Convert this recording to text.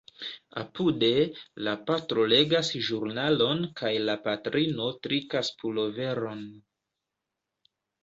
Apude, la patro legas ĵurnalon kaj la patrino trikas puloveron...